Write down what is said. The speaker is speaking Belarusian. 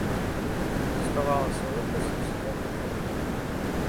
Заставалася выбраць населены пункт.